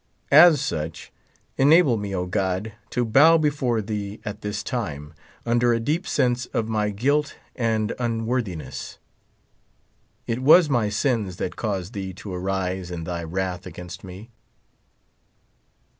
As such, enable me, O God, to bow before thee at this time, under a deep sense of my guilt and unworthiness. It was my sins that caused thee to arise in thy wrath against me.